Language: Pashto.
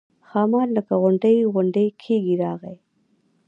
ښامار لکه غونډی غونډی کېږي راغی.